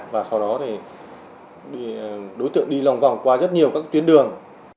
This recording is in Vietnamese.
và sau đó thì đối tượng đi lòng vòng qua rất nhiều các tuyến đường